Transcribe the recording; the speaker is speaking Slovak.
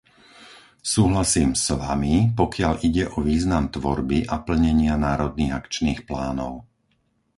Súhlasím s Vami, pokiaľ ide o význam tvorby a plnenia národných akčných plánov.